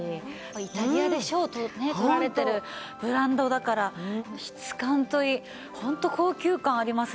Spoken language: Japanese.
イタリアで賞を取られてるブランドだから質感といいホント高級感ありますし。